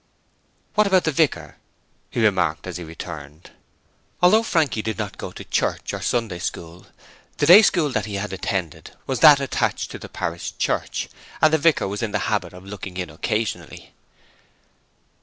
'What about the vicar?' he remarked as he returned. Although Frankie did not go to church or Sunday School, the day school that he had attended was that attached to the parish church, and the vicar was in the habit of looking in occasionally.